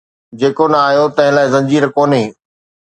جيڪو نه آيو، تنهن لاءِ زنجير ڪونهي